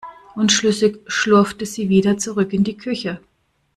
Unschlüssig schlurfte sie wieder zurück in die Küche.